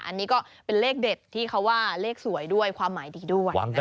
อันนี้ก็เป็นเลขเด็ดที่เขาว่าเลขสวยด้วยความหมายดีด้วย